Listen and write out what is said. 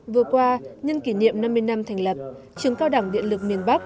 vừa qua nhân kỷ niệm năm mươi năm thành lập trường cao đảng điện lực nguyễn bắc